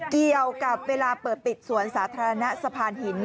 เกี่ยวกับเวลาเปิดปิดสวนสาธารณะสะพานหิน